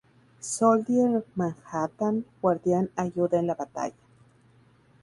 Soldier 'Fellow' Manhattan Guardian ayuda en la batalla.